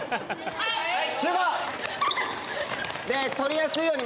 はい。